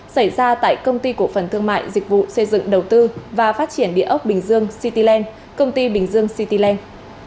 xảy ra tại công ty cổ phần thương mại dịch vụ xây dựng đầu tư và phát triển địa ốc bình dương cityland công ty bình dương cityland